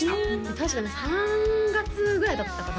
確かね３月ぐらいだったかな？